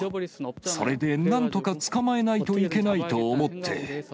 それでなんとか捕まえないといけないと思って。